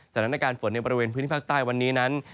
สถานการณ์ฝนในบริเวณพื้นที่ภาคใต้วันนี้นั้น